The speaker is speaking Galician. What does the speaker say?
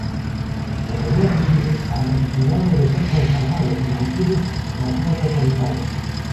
Recoñecéselle a necesidade de ser conservados e mantidos na súa totalidade.